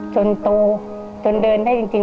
จนโตจนเดินได้จริง